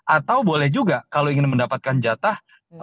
atau boleh juga kalau ingin mendapatkan jatah